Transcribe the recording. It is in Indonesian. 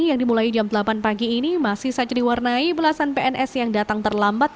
yang dimulai jam delapan pagi ini masih saja diwarnai belasan pns yang datang terlambat